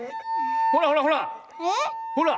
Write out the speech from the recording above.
ほらほらほら！